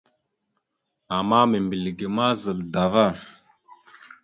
Ama membilge ma zal dava.